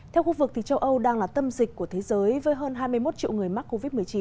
theo khu vực châu âu đang là tâm dịch của thế giới với hơn hai mươi một triệu người mắc covid một mươi chín